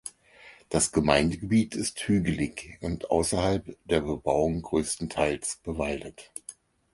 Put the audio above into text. Das Gemeindegebiet ist hügelig und außerhalb der Bebauung größtenteils bewaldet.